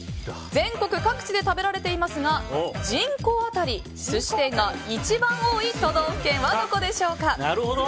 全国各地で食べられていますが人口当たり寿司店が一番多い都道府県はどこでしょうか。